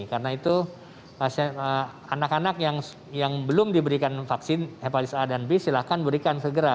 karena itu anak anak yang belum diberikan vaksin hepatitis a dan b silahkan berikan segera